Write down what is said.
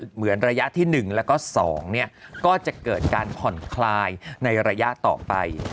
เหมือนระยะที่๑แล้วก็๒ก็จะเกิดการผ่อนคลายในระยะต่อไป